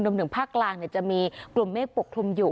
รุมถึงภาคกลางเนี่ยจะมีกลุ่มเมกปกทมอยู่